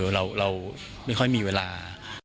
เราไม่ค่อยมีเวลา